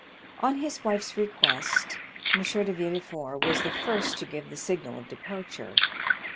On his wife's request, M. de Villefort was the first to give the signal of departure.